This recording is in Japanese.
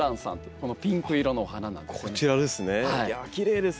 このピンク色のお花なんです。